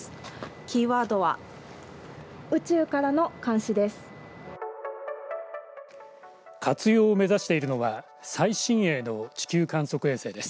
キーワードは宇宙からの監視です。